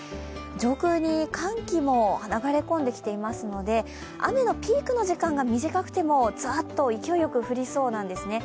上空に寒気も流れ込んできていますので雨のピークの時間が短くても、ざーっと勢いよく降りそうなんですね。